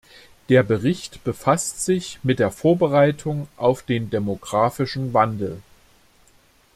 Der Bericht befasst sich mit der Vorbereitung auf den demografischen Wandel.